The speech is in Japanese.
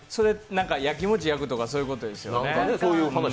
やきもち焼くとかそういうことですよね。